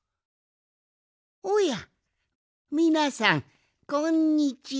おやみなさんこんにちは。